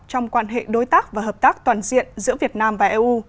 trong quan hệ đối tác và hợp tác toàn diện giữa việt nam và eu